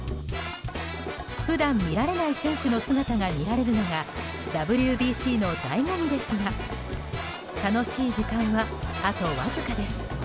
普段見られない選手の姿が見られるのがＷＢＣの醍醐味ですが楽しい時間はあとわずかです。